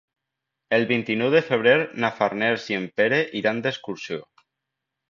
El vint-i-nou de febrer na Farners i en Pere iran d'excursió.